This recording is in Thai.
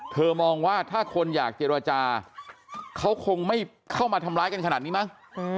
มองว่าถ้าคนอยากเจรจาเขาคงไม่เข้ามาทำร้ายกันขนาดนี้มั้ง